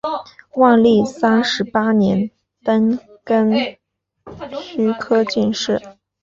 万历三十八年登庚戌科进士。